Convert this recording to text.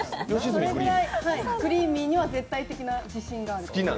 それくらいクリーミーには絶対的な自信が。